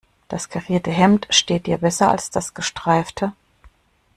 Das karierte Hemd steht dir besser als das gestreifte.